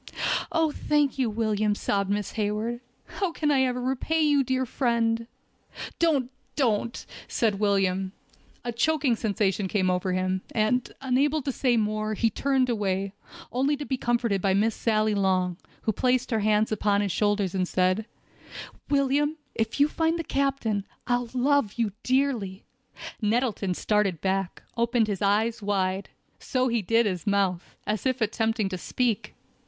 "Oh! thank you, William," sobbed Miss Hayward. "How can I ever repay you, dear friend?" "Don't—don't!" said William. A choking sensation came over him, and, unable to say more, he turned away, only to be comforted by Miss Sally Long, who placed her hands upon his shoulders, and said: "William, if you will find the captain, I'll love you dearly!" Nettleton started back, opened his eyes wide—so he did his mouth, as if attempting to speak.